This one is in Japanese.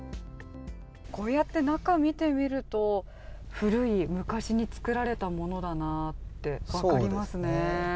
こうやって中を見てみると古い、昔に作られたものだなって分かりますね。